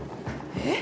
えっ？